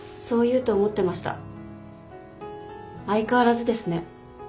相変わらずですね。